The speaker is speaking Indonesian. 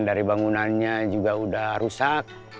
dari bangunannya juga sudah rusak